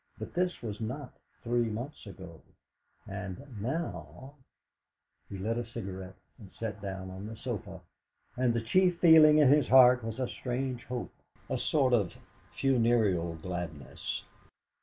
But this was not three months ago, and now He lit a cigarette and sat down on the sofa, and the chief feeling in his heart was a strange hope, a sort of funereal gladness.